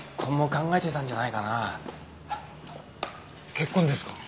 結婚ですか？